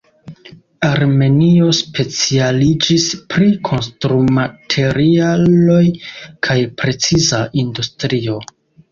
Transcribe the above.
Armenio specialiĝis pri konstrumaterialoj kaj preciza industrio.